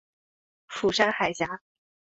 釜山海峡。